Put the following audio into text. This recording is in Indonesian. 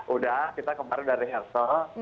udah kita kemarin udah rehearsal